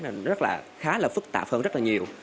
nó rất là khá là phức tạp hơn rất là nhiều